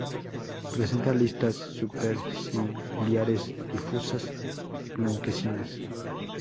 Presenta listas superciliares difusas blanquecinas.